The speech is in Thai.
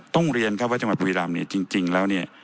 ต้องเรียนว่าจังหวัดบริวิรรรมจริงแล้ว